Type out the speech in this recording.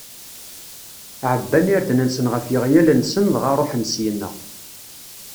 Ɛebban irden-nsen ɣef yeɣyal-nsen, dɣa ṛuḥen syenna.